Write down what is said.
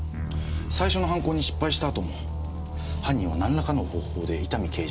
最初の犯行に失敗したあとも犯人はなんらかの方法で伊丹刑事を張っていたんだ。